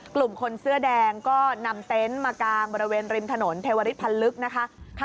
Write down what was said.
กลุ่มคนเสื้อแดงก็นำเต็นต์มากางบริเวณริมถนนเทวริสพันธ์ลึกนะคะ